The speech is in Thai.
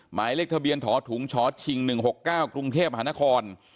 หมายเลขทะเบียนถอถุงชชิง๑๖๙กรุงเทพมหานคร